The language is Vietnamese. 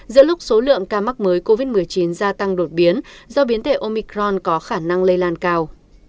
giữa lúc số lượng ca mắc mới covid một mươi chín gia tăng đột biến do biến thể omicron có khả năng lây lan cao